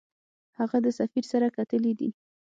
هغه د سفیر سره کتلي دي.